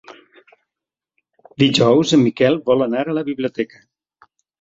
Dijous en Miquel vol anar a la biblioteca.